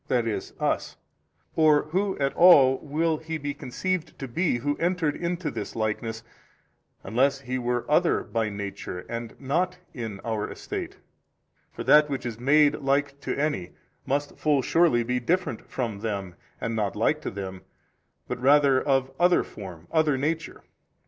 e., us? or who at all will He be conceived to be who entered into this likeness, unless He were other by Nature and not in our estate? for that which is made like to any, must full surely be different from them and not like to them but rather of other form, other nature.